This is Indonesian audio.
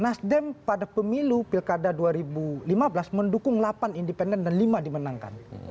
nasdem pada pemilu pilkada dua ribu lima belas mendukung delapan independen dan lima dimenangkan